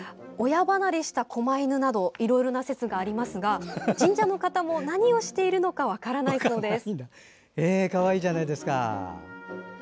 親離れしたこま犬などいろいろな説がありますが神社の方も何をしているのか分からないそうです。